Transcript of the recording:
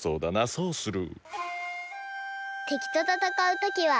そうする。